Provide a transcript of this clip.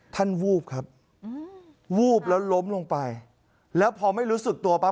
วูบครับวูบแล้วล้มลงไปแล้วพอไม่รู้สึกตัวปั๊